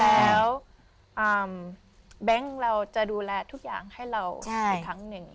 แล้วแบงค์เราจะดูแลทุกอย่างให้เราอีกครั้งหนึ่ง